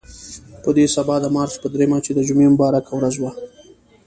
په دې سبا د مارچ په درېیمه چې د جمعې مبارکه ورځ وه.